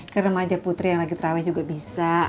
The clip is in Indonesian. ke remaja putri yang lagi terawih juga bisa